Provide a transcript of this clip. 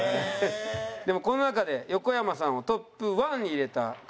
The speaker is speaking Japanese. でもこの中で横山さんをトップ１に入れた方が。